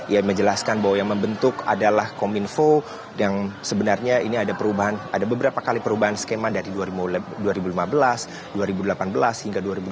ia menjelaskan bahwa yang membentuk adalah kominfo yang sebenarnya ini ada perubahan ada beberapa kali perubahan skema dari dua ribu lima belas dua ribu delapan belas hingga dua ribu delapan belas